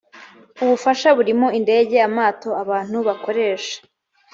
ubufasha burimo indege amato abantu bakoresha